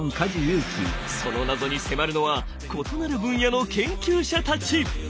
その謎に迫るのは異なる分野の研究者たち！